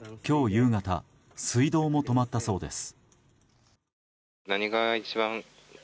夕方水道も止まったそうです。